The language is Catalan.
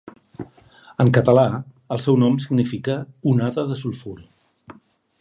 En català, el seu nom significa: 'onada de sulfur'.